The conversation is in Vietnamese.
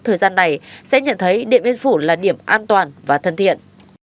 thời gian này sẽ nhận thấy điện biên phủ là điểm an toàn và thân thiện